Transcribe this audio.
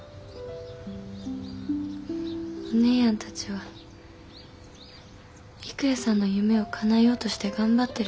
お姉やんたちは郁弥さんの夢をかなえようとして頑張ってる。